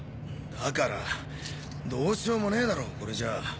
だからどうしようもねぇだろこれじゃ。